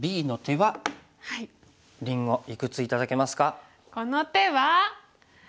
はい。